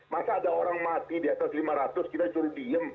masa ada orang mati di atas lima ratus kita curi diem